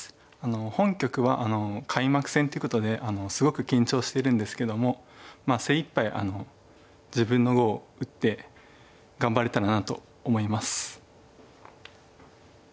本局は開幕戦ってことですごく緊張してるんですけども精いっぱい自分の碁を打って頑張れたらなと思います。